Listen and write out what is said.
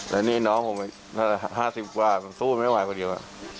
แล้วนี่น้องผมน่าจะ๕๐กว่าผมสู้ไม่ไหวพอดี